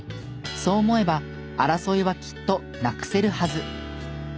そう思えば争いはきっとなくせるはず。